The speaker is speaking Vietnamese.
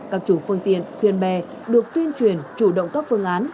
các chủ phương tiện thuyền bè được tuyên truyền chủ động các phương án